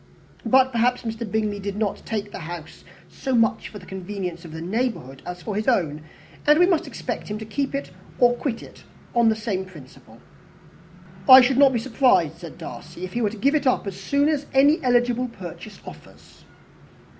But, perhaps, Mr. Bingley did not take the house so much for the convenience of the neighbourhood as for his own, and we must expect him to keep or quit it on the same principle." "I should not be surprised," said Darcy, "if he were to give it up as soon as any eligible purchase offers."